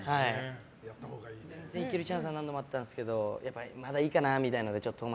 全然行けるチャンスは何度もあったんですけどやっぱりまだいいかなみたいなのが。